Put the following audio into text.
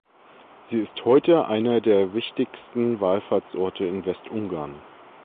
Sie ist heute einer der wichtigsten Wallfahrtsorte in Westungarn.